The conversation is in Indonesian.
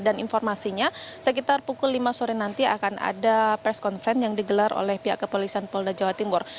dan informasinya sekitar pukul lima sore nanti akan ada press conference yang digelar oleh pihak kepolisian polda jawa timur